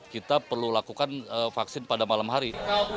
kita perlu lakukan vaksin pada malam hari